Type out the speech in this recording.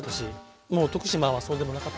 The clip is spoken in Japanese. もう徳島はそうでもなかったですか？